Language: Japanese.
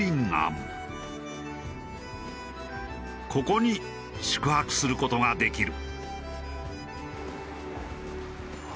ここに宿泊する事ができる。